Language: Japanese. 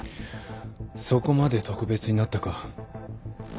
そこまで特別になったか。